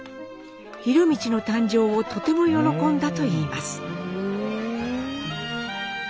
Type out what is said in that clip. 博通の誕生をとても喜んだといいます。